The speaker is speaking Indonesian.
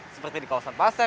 seperti di kawasan pasar